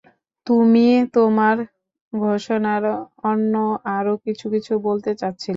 তুমি তোমার ঘোষণায় অন্য আর কিছু কিছু বলতে চাচ্ছিলে?